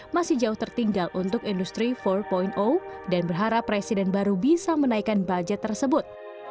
masih jauh tertinggal untuk industri empat dan berharap presiden baru bisa menaikkan budget tersebut